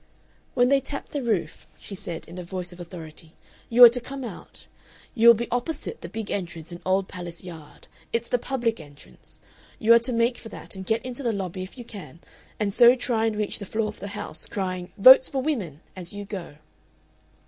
"When they tap the roof," she said, in a voice of authority, "you are to come out. You will be opposite the big entrance in Old Palace Yard. It's the public entrance. You are to make for that and get into the lobby if you can, and so try and reach the floor of the House, crying 'Votes for Women!' as you go."